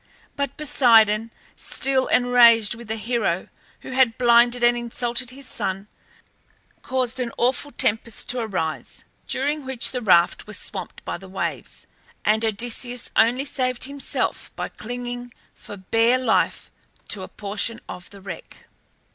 But Poseidon, still enraged with the hero who had blinded and insulted his son, caused an awful tempest to arise, during which the raft was swamped by the waves, and Odysseus only saved himself by clinging for bare life to a portion of the wreck.